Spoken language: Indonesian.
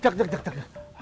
jak jak jak jak